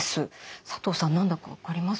佐藤さん何だか分かります？